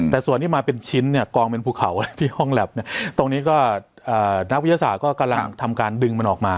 แต่ส่วนที่มาเป็นชิ้นเนี่ยกองเป็นภูเขาที่ห้องแล็บตรงนี้ก็นักวิทยาศาสตร์ก็กำลังทำการดึงมันออกมา